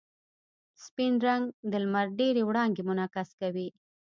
سپین رنګ د لمر ډېرې وړانګې منعکس کوي.